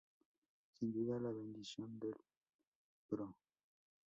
Sin duda, la bendición del Pbro.